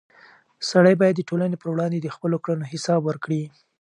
سړی باید د ټولنې په وړاندې د خپلو کړنو حساب ورکړي.